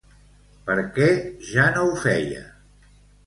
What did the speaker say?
Per què ja no ho feia?